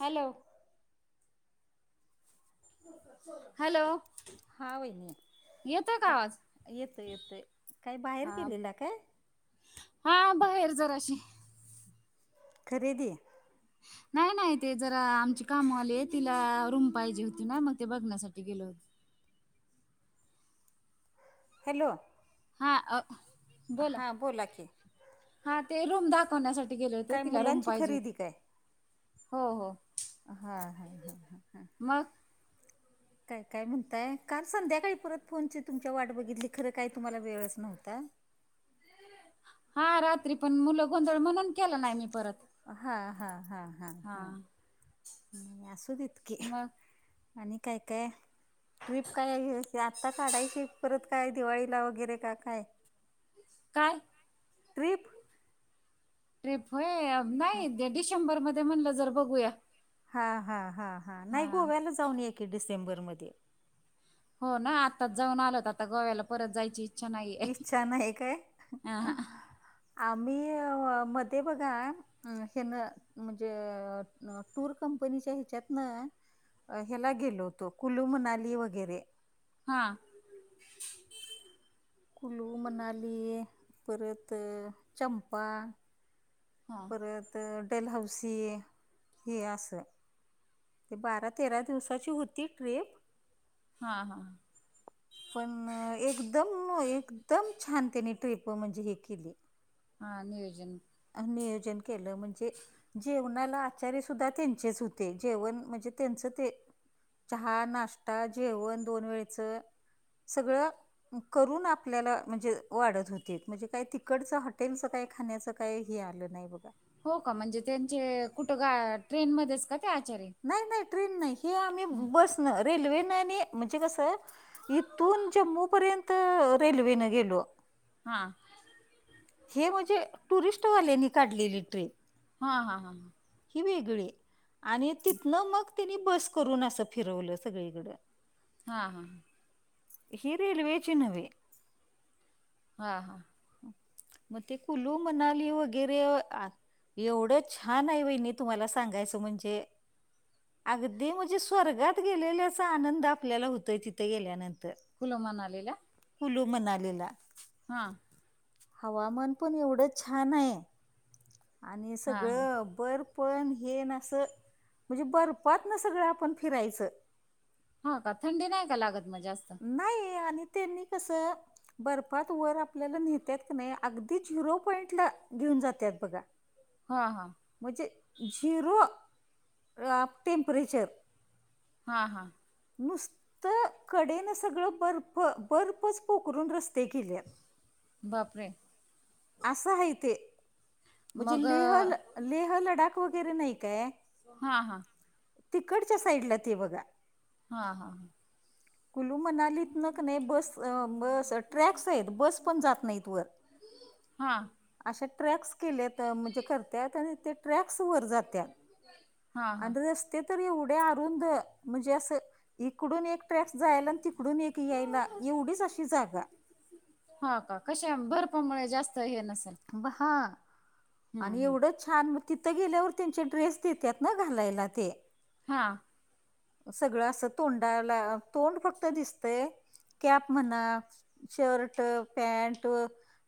Hello hello हा वहिणी येतोय का [unintelligible] आवाज येतोय येतोय काही बाहेर गेलेल्या काय? हा हा बाहेर जराशी खरेदी नाही नाही ते जरा आमची कामवाली आहे तिला रूम पाहिजे होती ना मग ते बघण्यासाठी गेलो होतो. हॅलो हा अ बोला हा की हा ते रूम दाखवण्यासा गेले होते काय तिला रूम मुलांची पाहिजे खरेदी काय हो हो हा ह ह मग [inaudible] ताई काय म्हणताय? काल संध्याकाळी परत फोनची तुमच्या वाट बघितली खरं काय तुम्हाला वेळच नव्हता. हा रात्री पण मुलं गोंधळ म्हणून केला नाही मी परत. हा हा हा हा हा नही असू देतकीे. मग आणि काय काय. ट्रिप काय आहे आत्ता काढायची परत काय दिवाळीला वगैरे का काय.? काय [inaudible] ट्रिप. ट्रीप होय हा नाही डिसेंबर मध्ये म्हटलं जर बघूया. हा हा हा हा नाही गोव्याला जाऊन एकी डिसेंबरमध्ये. हो ना आत्ताच जाऊन आलोत आता गोव्याला परत जायची इछा नाहीये इच्छा नाही काय अं हा. आम्ही मध्ये बघा. अ हे ना म्हणजे टूर कंपनीच्या ह्याच्यात ना. [unintelligible] याला गेलो होतो कुलू मनाली वगैरे. हा. कुलू मनालीये परत चंपा. हा परत टेल हौसीये हे असं. ते बारा तेरा दिवसाची होती ट्रीप. हा हा. पण एकदम एकदम छान त्यानी ट्रिप म्हणजे हे केली. हा नियोजन आम्ही नियोजन केलं म्हणजे. जेवणाला आचार्य सुद्धा त्यांचेच होते जेवण म्हणजे त्यांच ते. चहा नाश्ता जेवण दोन वेळचं. सगळं करून आपल्याला म्हणजे वाढत होते म्हणजे काय ते. इकडचं हॉटेलचं काय खाण्याचं काई हे आलं नाही बघा. हो का म्हणजे त्यांचे कुठं ग ट्रेनमध्येच का ते आचार्य नाही नाही ट्रेन नाही हे आम्ही बस न रेल्वेन आणि म्हणजे कसं इथून जम्बोपर्यंत रेल्वेने गेलो. हा... हे म्हणजे टुरिस्ट वाल्यांनी काढलेली ट्रिप हा हा हा हा ही वेगळी आणि तिथनं मग तिनी बस करून असं फिरवलं सगळीकडे. हा हा हि रेल्वेची नव्हे हा हा मग ते कुलू मनाली वगैरे आता एवढे छान आहे वहिणी तुम्हाला सांगायचं म्हणजे अगदी म्हणजे स्वर्गात गेलेल्याचा आनंद आपल्याला होतय तिथे गेल्यानंतर कुल्लू मनालीला? कुलू मनालीला हां हवामान पण एवढं छान आहे आणि हा हा सगळं बर्फन हे ना असं म्हणजे बर्फातन सगळेआप अपन फिरायचं हो का? थंडी नाही का लागत मग जास्त? नाही, आणि त्यांनी कसं बर्फात वर आपल्याला नेत्यात क नाही अगदी झिरो पॉईंटला घेऊन जात्यात बघा. [inaudible] हां हां. म्हणजे झिरो अ टेम्परेचर. हां हां. नुसतं कडेन सगळं बर्फ बर्फच पोखरून रस्ते केल्यात. बापरे! असं हाय ते. म्हणजे मग लेह लेह लडाख वगैरे नाही काय? हा हा तिकडच्या साईडला ते बघा. हां हां. [inaudible] कुलू मनालीतनं क नाही बस अ बस ट्रॅक्स आहेत बस पण जात नाहीत वर. हां. अशे ट्रॅक्स केलेत म्हणजे करत्यात आणि ते ट्रॅक्स वर जात्यात हा हा आणि रस्ते तर एवढे अरुंद म्हणजे असं इकडून एक ट्रॅक्स जायला आणि तिकडून एक यायला एवढीच अशी जागा. हा का कशा भरपूर [unintelligible] जास्त हे नसेल? ब हां हम्म आणि हम्म एवढं छान मग तिथं गेल्यावर त्यांचे ड्रेस देतात ना घालायला ते. हां. सगळं असं तोंडाला तोंड फक्त दिसतंय. कॅप म्हणा शर्ट, पँट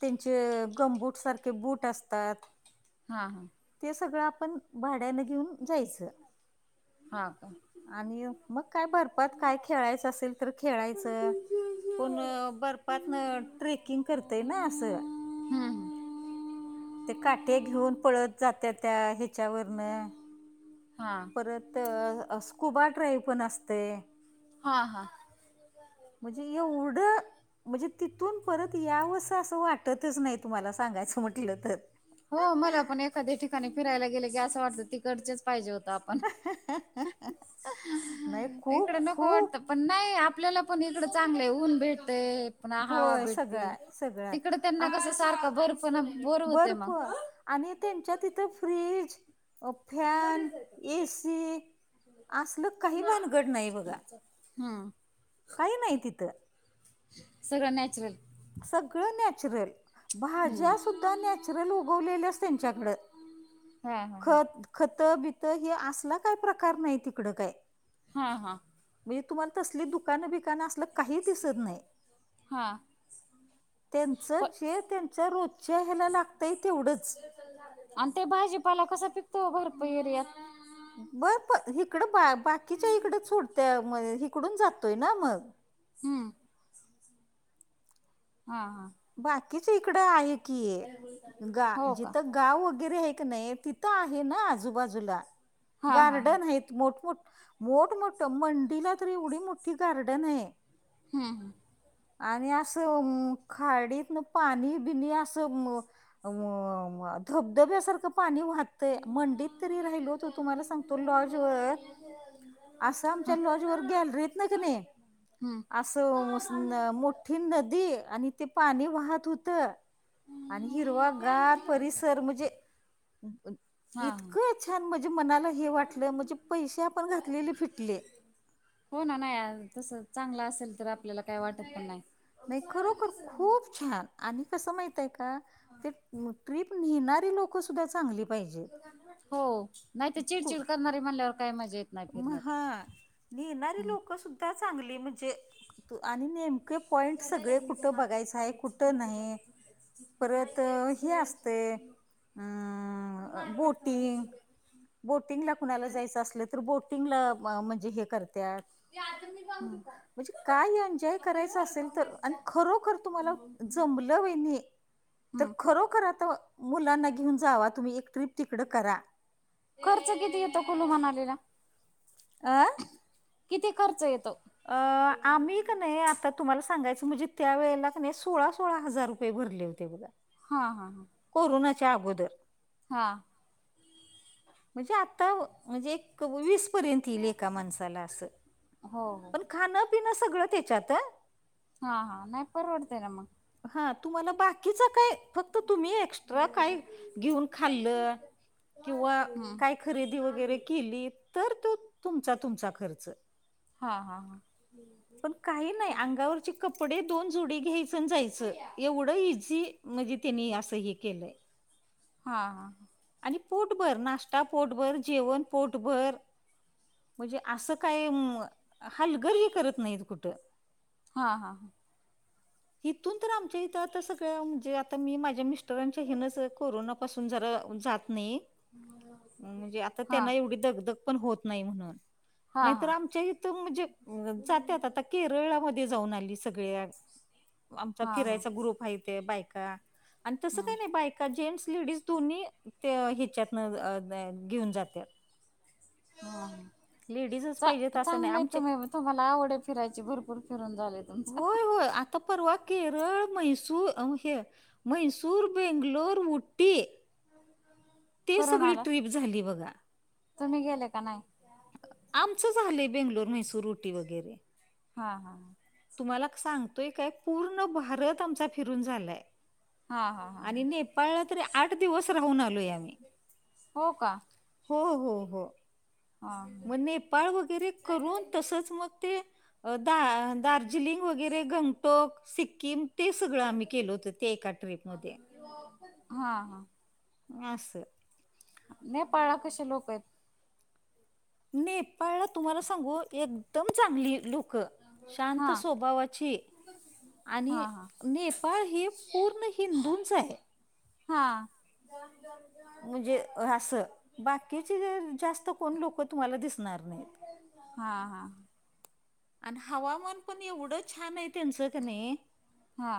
त्यांचे अ गमबूटसारखे बूट असतात. हां हां. ते सगळं आपण भाड्यानं घेऊन जायचं. हां का? आणि मग काय बर्फात काय खेळायचं असेल तर खेळायचं. कोण बर्फातनं ट्रेकिंग करतंय ना असं. हम्म ते काट्या घेऊन पळत जात्यात ह्याच्यावरनं हा परत [unintelligible] स्कुबा ड्राईव्ह पण असतंय. हां हां. म्हणजे एवढं म्हणजे तिथून परत यावंस असं वाटतच नाही तुम्हाला सांगायचं म्हटलं तर. हो मला पण एखाद्या ठिकाणी फिरायला गेलं की असं वाटतं तिकडचेच पाहिजे होतं आपण. [inaudible] खूप इकडं नको खूप वाटतंय पण नाही आपल्याला पण इकडं चांगलं आहे ऊन भेटतंय. [unintelligible] हवा होय सगळं भेटती हाय सगळं हाय तिकडं त्यांना आ कसं सारखं भरपणा बोर होतंय बर्फ मग. आणि त्यांच्या तिथं फ्रीज अ फॅन, ए सी असलं काही भानगड नाही बघा. हां. काही नाही तिथं. सगळं नॅचरल. सगळं नॅचरल. भाज्या हम्म सुद्धा नॅचरल उगवलेल्याच त्यांच्याकडं हा हा खत. खत बित हे असला काय प्रकार नाही तिकडं काय. हा हा. मी तुम्हाला तसली दुकानं बिकानं असल काही दिसत नाही. हा. त्यांचं प ते त्यांच्या रोजच्या ह्यायला लागतंय तेवढच. आणि ते भाजीपाला कसा पिकतो भर एरियात. व्हयं प हिकडं बा बाकीच्या हिकडं सोडत्या हिकडून जातोय ना मग. हम. हा हा. बाकीच हिकडं आहे की गा हो का जिथं. गाव वगैरे आहे कणी, तिथं आहे ना आजूबाजूला. हा हा हा गार्डन हायत. मोठमोठ मोठमोठ मंडीला तर एवढी मोठी गार्डन हाय. हम हम. आणि असं खाडीत पाणी बिनी असं म. म धबधब्यासारखं पाणी वाह ते मंडित तर राहिलो होतो तुम्हाला सांगतो लॉजवर. असं आमच्या लॉज वर ग्यालरीत कणी. हम्म असं मोठी नदी आणि ते, पाणी वाहत होत. आणि हिरवा गार परिसर म्हणजे. हा हा इतकं छान म्हणजे मनाला हे वाटलं, म्हणजे पैसे आपण घातलेले फिटले. हो ना नाही तसं चांगलं असेल तर, आपल्याला काय वाटत पण नाही. नाही खरोखर खूप छान आणि, कसं माहितीये का ते मग ट्रिप. न्हेणारी लोक सुद्धा चांगली. पाहिजेत हो नाही तर कु- चिडचिड करणारी, म्हणल्यावर काय मजा येत. नाही म फिरण्यात. हा न्हेणारी हम्म लोकं सुद्धा चांगली. म्हणजे आणि नेमके पॉइंट सगळे कुठं बघायचं आहे कुठं नाही. परत हे असतंय. अ बोटिंग बोटिंगला कुणाला जायचं असल. बोटिंगला म्हणजे हे करत्यात. [unintelligible] म्हणजे काय एन्जॉय करायचं, असेल तर आणि खरोखर तुम्हांला. जमलं वहिनी तर हम्म. खरोखर आता. मुलांना घेऊन जावा तुम्ही, एक ट्रिप तिकडं करा. खर्च किती येतो कुलू मनालीला. आं. किती खर्च येतो. अ आम्ही, कणी आता तुम्हाला सांगायचं म्हणजे, त्या वेळेला कणी सोळा सोळा हजार रुपये भरले होते बघा. हां हां हां. कोरोनाच्या अगोदर. हा. म्हणजे आता, म्हणजे एक. [unintelligible] वीस पर्यंत येईल एका माणसाला असं हो हो पण खाणं पिण सगळं त्याच्यात. हा हा नाही परवडतय ना मग. हा तुम्हाला बाकीच काय, फक्त तुम्ही एक्स्ट्रा काय घेऊन खाल्ल. किंवा हम्म काय खरेदी वगैरे केली तर तो तुमचा तुमचा खर्च. हा हा हा. पण काही नाही अंगावरचे कपडे दोन जोडी घ्यायच जायचं एवढं इझी म्हणजे त्यांनी असं हे केलंय. हा हा. आणि पोटभर, नाश्ता पोटभर, जेवण पोटभर, म्हणजे असं काय मं हलगर्जी करत नाहीत कुठं. हा हा. इथून तर आमच्या इथं तर सगळं म्हणजे आता मी माझ्या मिस्टरांच्या ह्यांन कोरोना. तिथून जरा जात नाही, आता हा त्यांना एवढी दगदग सहन होत नाही, म्हणून हा हा नाहीतर हा आमच्या इथून म्हणजे जात्यात केरळामध्ये जाऊन आली सगळ्या आमचा हा हा फिरायचा ग्रुप आहे ते बायका. आणि तसं हम्म काही नाही बायका जेंट्स, लेडीज दोन्ही ते ह्याच्यात‌अ घेऊन जात्यात. हा हा लेडीजच चा पाहिजे तंअस नाही चांगलंय आमचे तुम्ही तुम्हाला आवड फिरायची भरपूर फिरून झाले. तुमचं. होय होय आ आता पर्वा केरळ, मैसूर, अ हे मैसूर, बेंगलोर, उटी, [inaudible] ते सगळी आला ट्रीप झाली बघा. तुम्ही गेले का नाही? आमचं झालंय बेंगलोर, म्हैसूर, उटी वगैरे. हा हा. तुम्हाला सांगतोय काय पूर्ण भारत आमचा फिरून झालाय. हा हा हा आणि नेपाळलं तरी आठ दिवस राहून आलोय आम्ही. हो का! हो हो हो. हा. मग नेपाळ वगैरे करून, तसच मग ते दा- दार्जिलिंग वगैरे गंगटोक, सिक्कीम ते सगळं आम्ही केलं होतं त्या एका ट्रीपमध्ये. हा हा. असं. नेपाळा कशि लोक आहेत? नेपाळला तुमाला सांगू एकदम चांगली येत लु क शांत हा स्वभावाची. आणि हा हा नेपाळ हे पूर्ण हिंदूंचं आहे. हा. म्हणजे असं बाकीची जास्त कोण लोक तुम्हाला दिसनार नाहीत. हा हा. अन हवामान पन यवडं छाने त्यांचं का नई हा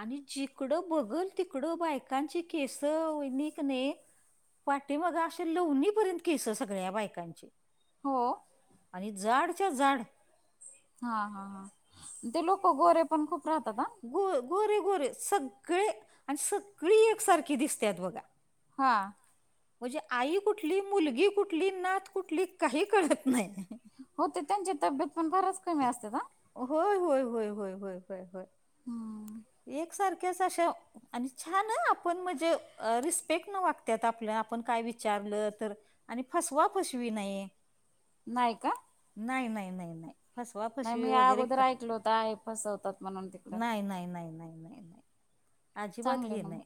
आनी जिकडं बघल तिकडं बायकांची केसव निक नी पाठीमागं अशे लवनीपर्यंत केस सगळ्या बायकांचे. हो आनी जाडच्या जाड. हा हा हा ते लोक गोरे पन खूप राहतात आ. गो गोरे गोरे सगळे आनी सगळी एक सारखी दिस्त्यात बघा. हां. म्हणजे आई कुठली मुलगी कुठली नात कुठली काही कळत नही. हो ते त्यांची तब्येत पन फारच कमी असतेत हा. होय होय होय होय होय होय होय हम्म एकसारक्याच आशा आनी छान आ आपन म्हणजे अ रिस्पेक्ट न वाग्त्यात आपल्या आपन काय विचारलं तर. आनी फसवा फसवी नाई. नाई का? नाई नाई नाई नाई फसवा नाई फसवी मी वगैरे आगोदर का ऐकलं होत आए फसवतात म्हणून तिकडं. नाई नाई नाई. आजिबात चांगले हे ना नाई मग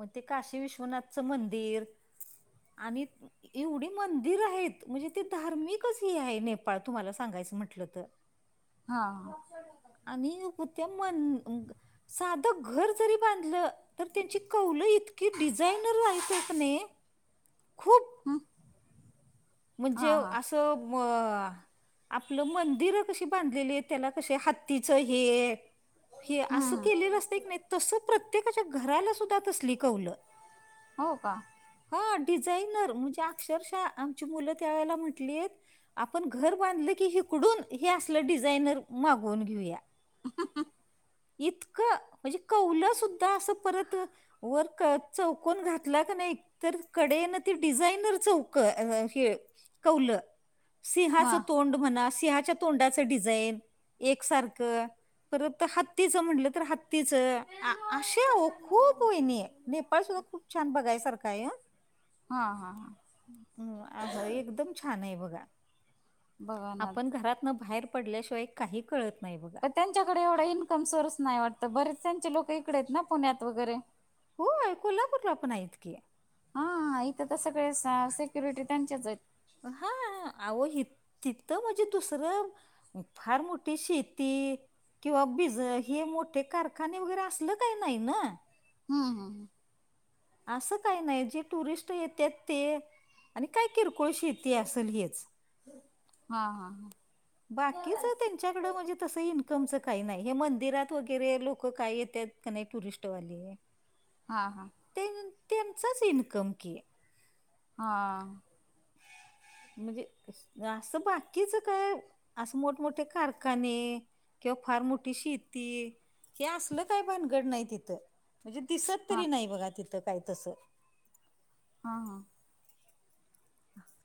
मग ते काशी विश्वनाथचं मंदिर आनी एवडीं मंदिर हाईत म्हणजे ते हे धार्मिकच हे हाय नेपाळ तुमाला सांगायचं म्हटलं तर. हा हा. आनी कूत्या मन साधं घर जरी बांधलं तर त्यांची कौलं इतकी डिझायनर हायीतत क नाई खूप हम [unintelligible] म्हणजे असं म आपलं मंदिरं कशी बांधलेली आएत त्याला कशे हातीचं हे आसं हम्म केलेलं आसतय की नाई तसं प्रत्य त्येकाच्या घराला सुद्दा तसलि कौल. हो का? हा डिझाईनर मणजे अक्षरशः आमची मुलं त्या वेळेला म्हटलीत आपन घर बांधलं की हिकडून हे असलं डिझायनर मागवून घेऊया. ह [unintelligible] इतकं मजे कौलं सुद्दा असं परत अ वर क चौकन घातला का नाईत तर कडेन ते डिझाईनर चौक. हे कौलं हा सिहाच तोंड म्हणा सिंहाच्या तोंडाचं डिझाईन एकसारकं परत हत्तीचं म्हटलं तर हत् तिचं आ आशे आओ खूप वैनी नेपाळ सुद्दा खूप छान बगायसारखं आहे ह. [inaudible] [unintelligible] हा हा हा. हम् अस एकदम छान आए बगा बघा ना आपन घरात न भाहेर पड्ल्याशिवाय काही कळत नाही बघ. पण त्यांच्याकडे येवडा इन्कम सोर्स नाई वाटतं बरेच त्यांचे लोकं इकडे आएत ना पुण्यात वगैरे. होय कोल्हापूरला पण हायेत की. हा इथं तसं काळे अस सेक्युरिटी त्यांच्याच आहेत. हा आव हित तिथ म्हणजे दुसरं फार मोठी शेती किंवा बिज हे मोठे कारखाने वगैरे असल काही नाही ना. हम् हम. असं काही नाही जे टुरिस्ट येतात ते, आणि काय किरकोळ शेते असेल हेच हा हा हा. बाकीच त्यांच्याकड म्हणजे तस इन्कमच काही नाही. हे मंदिरात वगैरे लोक काय येतात का नाही टुरिस्टवाली. हां हां. तेन त्यांचाच इन्कम की. हा म्हणजे असं बाकीच काय, असं मोठमोठे कारखाने. किंवा फार मोठी शेती, हे असलं काही भानगड नाही तिथं. म्हणजे दिसत हा हा तरी नाही बघा, तिथं काय तसं. हा हा.